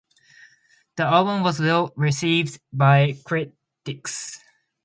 The album was well received by critics.